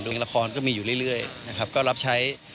ละครก็มีอยู่เรื่อยนะครับก็รับใช้